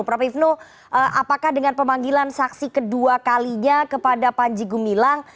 prof ibnu apakah dengan pemanggilan saksi kedua kalinya kepada panji gumilang